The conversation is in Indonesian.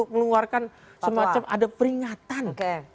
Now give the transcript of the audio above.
mengeluarkan semacam ada peringatan